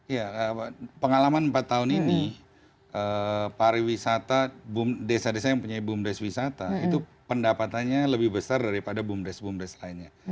ya pengalaman empat tahun ini pariwisata desa desa yang punya boomdes wisata itu pendapatannya lebih besar daripada bumdes bumdes lainnya